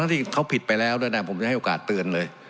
ที่เขาผิดไปแล้วด้วยนะผมจะให้โอกาสเตือนเลย